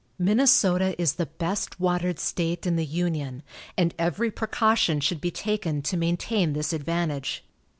Minnesota is the best watered state in the Union, and every precaution should be taken to maintain this advantage.